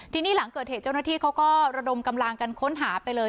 ทีนี้หลังเกิดเหตุเจ้าหน้าที่เขาก็ระดมกำลังกันค้นหาไปเลย